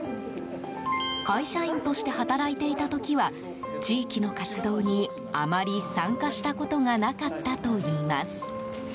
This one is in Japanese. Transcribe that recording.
会社員として働いていた時は地域の活動にあまり参加したことがなかったといいます。